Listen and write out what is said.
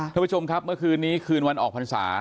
ท่านผู้ชมครับเมื่อคืนนี้คืนวันออกพรรษา